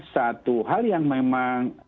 satu hal yang memang